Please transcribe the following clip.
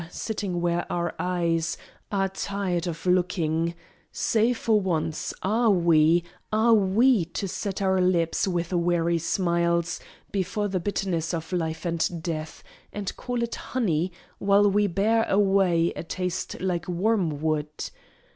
sitting where our eyes Are tired of looking, say for once are we Are we to set our lips with weary smiles Before the bitterness of Life and Death, And call it honey, while we bear away A taste like wormwood?